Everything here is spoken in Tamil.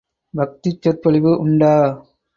பக்திச் சொற்பொழிவு உண்டா?